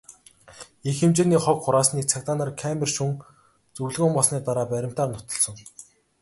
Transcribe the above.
Их хэмжээний хог хураасныг цагдаа нар камер шүүн, зөвлөгөөн болсны дараа баримтаар нотолсон.